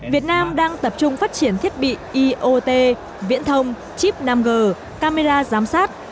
việt nam đang tập trung phát triển thiết bị iot viễn thông chip năm g camera giám sát